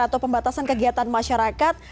atau pembatasan kegiatan masyarakat